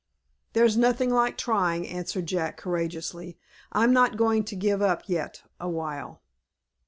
"There's nothing like trying," answered Jack, courageously. "I'm not going to give up yet awhile."